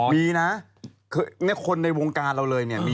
มีนะคนในวงการเราเลยเนี่ย